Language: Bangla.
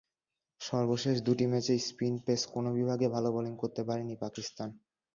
সর্বশেষ দুটি ম্যাচেই স্পিন-পেস কোনো বিভাগে ভালো বোলিং করতে পারেনি পাকিস্তান।